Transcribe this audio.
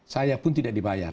saya pun tidak dibayar